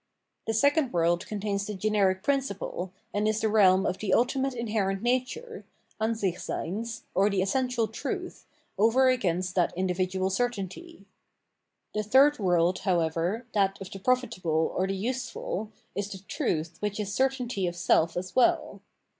The second world contains the generic principle, and is the realm of the ultimate inherent nature {Ansichseyns) or the essential truth, over against that individual certainty. The third world, however, that of the profitable or the useful, is the truth which is certainty of self as well.